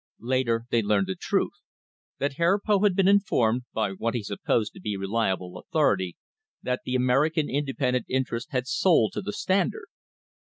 Later they learned the truth, that Herr Poth had been informed, by what he supposed to be reliable authority, that the American inde pendent interests had sold to the Standard.